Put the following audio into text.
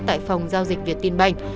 tại phòng giao dịch việt tiên bành